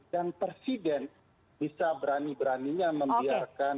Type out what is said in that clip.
dan presiden bisa berani beraninya membiarkan ada ujian tersebut